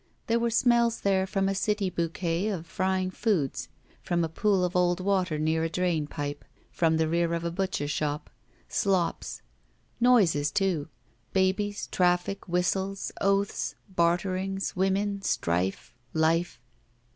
There were smells there from a city bouquet of frjdng foods; from a pool of old water near a drain pipe; from the rear of a butcher shop. Slops. Noises, too. Babies, traffic, whistles, oaths, bar terings, women, strife, life.